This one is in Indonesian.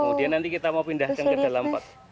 kemudian nanti kita mau pindahkan ke dalam pot